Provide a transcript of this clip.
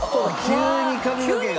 急に髪の毛が。